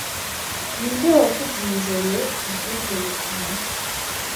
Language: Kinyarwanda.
Ninde wakubwizoe iby'ubwo buvumo?